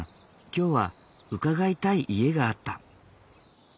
今日は伺いたい家があった。